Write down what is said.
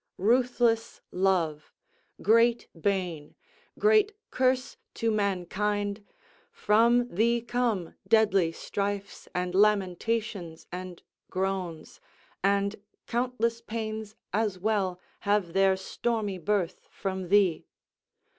Ruthless Love, great bane, great curse to mankind, from thee come deadly strifes and lamentations and groans, and countless pains as well have their stormy birth from thee.